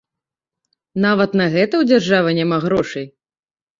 Нават на гэта ў дзяржавы няма грошай?